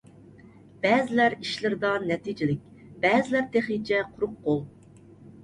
بەزىلەر ئىشلىرىدا نەتىجىلىك، بەزىلەر تېخىچە قۇرۇق قول.